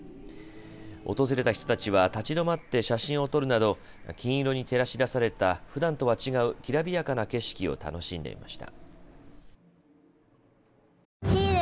訪れた人たちは立ち止まって写真を撮るなど金色に照らし出されたふだんとは違うきらびやかな景色を楽しんでいました。